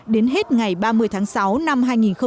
đến hết ngày ba mươi tháng sáu năm hai nghìn một mươi bảy